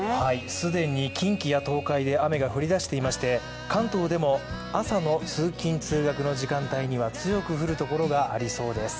既に近畿や東海で雨が降りだしていまして、関東でも、朝の通勤・通学の時間帯には、強く降るところがありそうです。